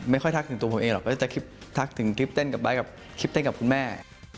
ทักถึงตัวผมเองหรอกก็จะคลิปทักถึงคลิปเต้นกับไบท์กับคลิปเต้นกับคุณแม่